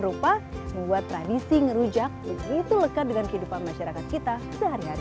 rupa buat tradisi ngerujak begitu lekat dengan kehidupan masyarakat kita sehari hari